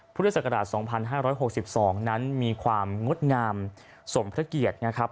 พฤศกภรรษ๒๕๖๒นั้นมีความงดงามสมพระเกียจนะครับ